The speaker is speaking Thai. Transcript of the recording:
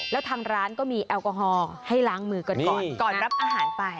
แล้วทางร้านก็มีแอลกอฮอล์ให้ล้างมือกันก่อนก่อนรับอาหารไป